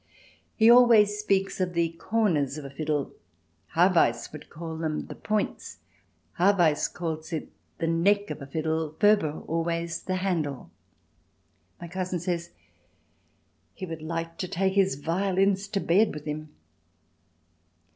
"He always speaks of the corners of a fiddle; Haweis would call them the points. Haweis calls it the neck of a fiddle. Furber always the handle." My cousin says he would like to take his violins to bed with him.